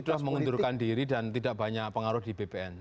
sudah mengundurkan diri dan tidak banyak pengaruh di bpn